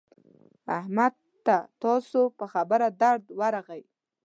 احمد ته ستاسو په خبره درد ورغی.